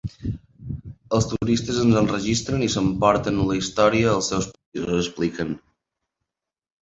Els turistes ens enregistren i s’emporten la història als seus països, expliquen.